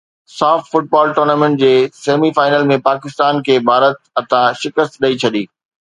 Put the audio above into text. ساف football tournament جي semi final ۾ Pakistan کي ڀارت هٿان شڪست ڏئي ڇڏي